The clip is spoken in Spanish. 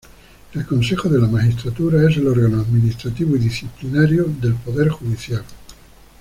El Consejo de la Magistratura es el órgano administrativo y disciplinario del Poder Judicial.